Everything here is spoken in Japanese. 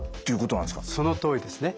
そのとおりですね。